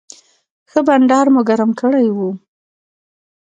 ښه بنډار مو ګرم کړی و.